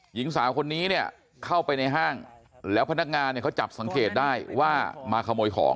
หญิงสาวคนนี้เนี่ยเข้าไปในห้างแล้วพนักงานเนี่ยเขาจับสังเกตได้ว่ามาขโมยของ